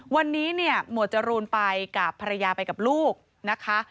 วันนี้เนี่ยหมวดจรูนไปกับภรรยาไปกับลูกนะคะ